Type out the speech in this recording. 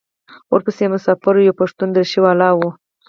ورپسې مسافر یو پښتون درېشي والا و.